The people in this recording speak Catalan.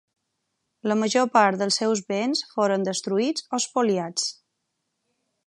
La major part dels seus béns foren destruïts o espoliats.